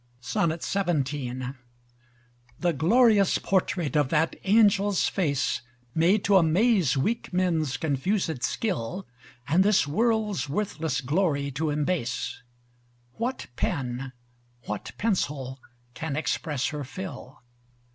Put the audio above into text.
XVII The glorious portrait of that Angel's face, Made to amaze weak men's confused skill: And this world's worthless glory to embase, What pen, what pencil can express her fill?